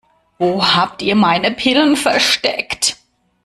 Wo habt ihr meine Pillen versteckt?